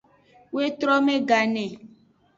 Wetrome gane.